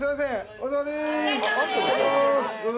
お疲れさまです